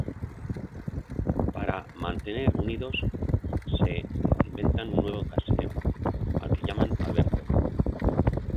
Para mantenerse unidos, se inventan un nuevo "casero", al que llaman Alberto.